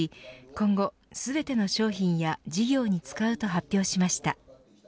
今後、全ての商品や事業に使うと発表しました。